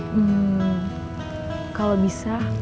hmm kalau bisa